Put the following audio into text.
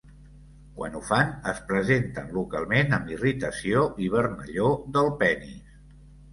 Quan ho fan, es presenten localment amb irritació i vermellor del penis.